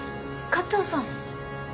加藤さん。